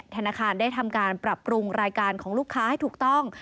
ธนาคารได้ทำการปรับปรุงรายการของลูกค้าให้ถูกต้อง